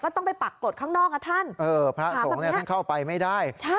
ต้องไปปรากฏข้างนอกอ่ะท่านเออพระสงฆ์เนี่ยท่านเข้าไปไม่ได้